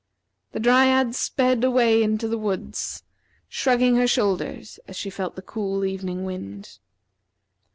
The Dryad sped away to the woods, shrugging her shoulders as she felt the cool evening wind.